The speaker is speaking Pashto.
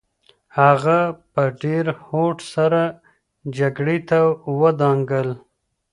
هغه په ډېر هوډ سره جګړې ته ودانګل.